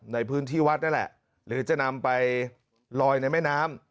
ในพื้นที่วัดนั่นแหละหรือจะนำไปลอยในแม่น้ำ